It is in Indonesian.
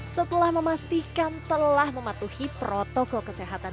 setelah memastikan telah mematuhi protokol kesehatan